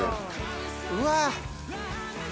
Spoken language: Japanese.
うわ！